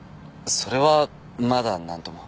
それはまだなんとも。